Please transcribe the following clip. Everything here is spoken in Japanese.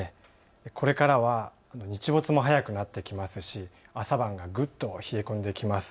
これからは日没も早くなってきますし朝晩は、ぐっと冷え込んできます。